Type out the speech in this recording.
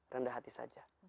rendah hati saja